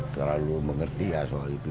terlalu mengerti ya soal itu